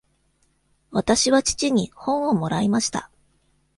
わたしは父に本をもらいました。